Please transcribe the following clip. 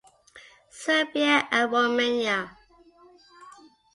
Serbia and Romania.